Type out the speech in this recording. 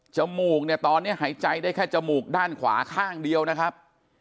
มูกเนี่ยตอนนี้หายใจได้แค่จมูกด้านขวาข้างเดียวนะครับ